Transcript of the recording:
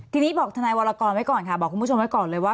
ทีนี้บอกทนายวรกรไว้ก่อนค่ะบอกคุณผู้ชมไว้ก่อนเลยว่า